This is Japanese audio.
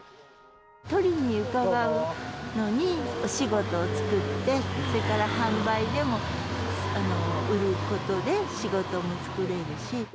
取りにうかがうのにお仕事を作って、それから販売でも売ることで仕事も作れるし。